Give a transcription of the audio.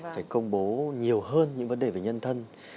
phải công bố nhiều hơn những vấn đề về nhân thân